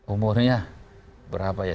umurnya berapa ya